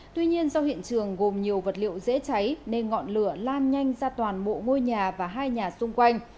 tuy nhiên do hiện trường gồm nhiều vật liệu dễ cháy nên ngọn lửa lan nhanh ra toàn mộ ngôi nhà và hai nhà xung quanh